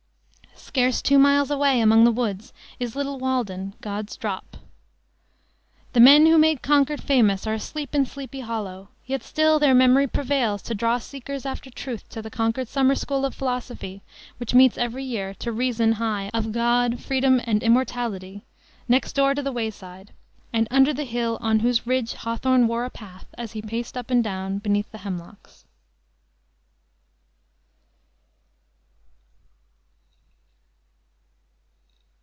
Scarce two miles away, among the woods, is little Walden "God's drop." The men who made Concord famous are asleep in Sleepy Hollow, yet still their memory prevails to draw seekers after truth to the Concord Summer School of Philosophy, which meets every year, to reason high of "God, Freedom, and Immortality," next door to the "Wayside," and under the hill on whose ridge Hawthorne wore a path, as he paced up and down beneath the hemlocks.